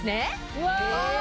うわ！